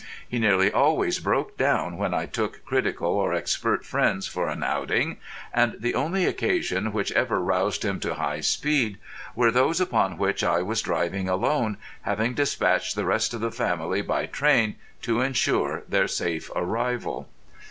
He nearly always broke down when I took critical or expert friends for an outing; and the only occasions which ever roused him to high speed were those upon which I was driving alone, having dispatched the rest of the family by train to ensure their safe arrival.